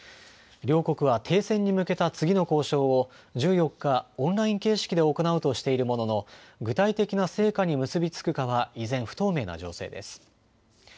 両国は停戦に向けた次の交渉を１４日、オンライン形式で行うとしているものの、具体的な成果に結び付くかは依然、不透明な情勢です。